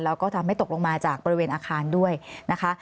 แล้วก็ทำให้ตกลงมาจากบริเวณอาคารด้วยนะคะ